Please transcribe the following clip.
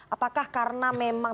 apakah karena memang